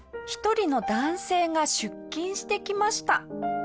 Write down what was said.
１人の男性が出勤してきました。